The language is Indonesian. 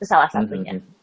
itu salah satunya